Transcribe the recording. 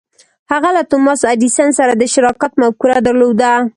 هغه له توماس ایډېسن سره د شراکت مفکوره درلوده.